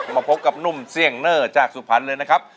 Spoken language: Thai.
มาพบกับนุ่มเสี่ยงเนอร์จากสุพรรณเลยนะครับ